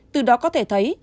từ đó có thể thấy